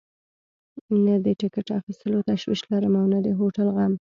نه د ټکټ اخیستلو تشویش لرم او نه د هوټل غم.